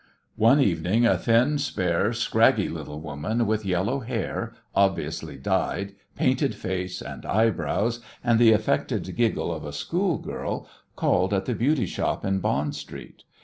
One evening a thin, spare, scraggy little woman with yellow hair, obviously dyed, painted face and eyebrows, and the affected giggle of a schoolgirl, called at the beauty shop in Bond Street.